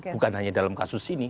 bukan hanya dalam kasus ini